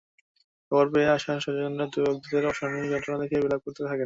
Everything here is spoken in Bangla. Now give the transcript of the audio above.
খবর পেয়ে আসা স্বজনেরা দগ্ধদের অসহনীয় যন্ত্রণা দেখে বিলাপ করতে থাকেন।